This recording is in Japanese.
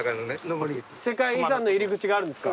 世界遺産の入り口があるんですか。